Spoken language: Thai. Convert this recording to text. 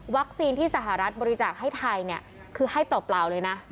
วัคซีนที่สหรัฐบริจาคให้ไทยคือให้เปราะเปล่าเลยนะ